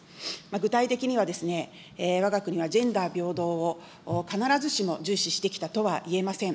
具体的には、わが国はジェンダー平等を必ずしも重視してきたとはいえません。